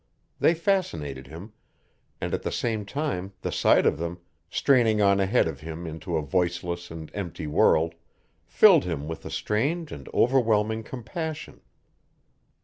They fascinated him, and at the same time the sight of them straining on ahead of him into a voiceless and empty world filled him with a strange and overwhelming compassion.